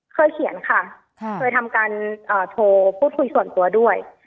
เคยเขียนค่ะเคยทำการโทรพูดคุยส่วนตัวด้วย